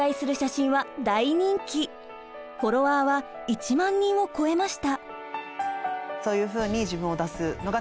フォロワーは１万人を超えました。